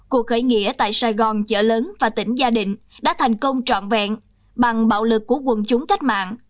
cuộc khởi nghĩa tại sài gòn chợ lớn và tỉnh gia định đã thành công trọn vẹn bằng bạo lực của quân chúng cách mạng